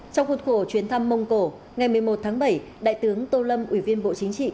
trong khuôn khổ chuyến thăm mông cổ ngày một mươi một tháng bảy đại tướng tô lâm ủy viên bộ chính trị